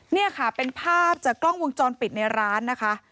นี่ค่ะเป็นภาพจากกล้องวงจรปิดในร้านนะคะ